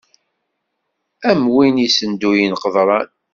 Am win issenduyen qeḍran.